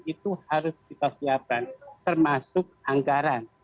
itu harus kita siapkan termasuk anggaran